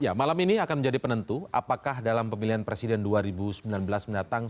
ya malam ini akan menjadi penentu apakah dalam pemilihan presiden dua ribu sembilan belas mendatang